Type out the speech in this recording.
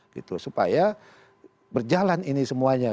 gitu supaya berjalan ini semuanya